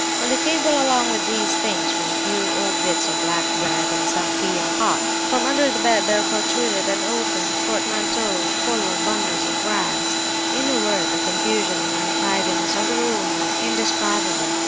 "On the table along with these things were a few old bits of black bread, and some tea in a pot. From under the bed there protruded an open portmanteau full of bundles of rags. In a word, the confusion and untidiness of the room were indescribable.